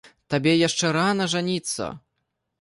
Табе яшчэ рана жаніцца.